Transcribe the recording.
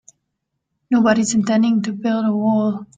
Nobody's intending to build a wall.